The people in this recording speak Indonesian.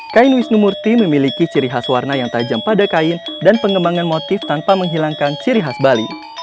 kain wisnu murti memiliki ciri khas warna yang tajam pada kain dan pengembangan motif tanpa menghilangkan ciri khas bali